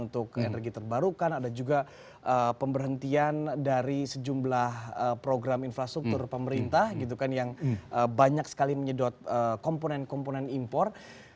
untuk energi terbarukan ada juga pemberhentian dari sejumlah program infrastruktur pemerintah gitu kan yang banyak sekali menyedot komponen komponen impor